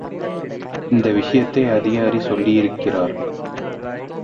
வந்த விஷயத்தை அதிகாரி சொல்லியிருக்கிறார்.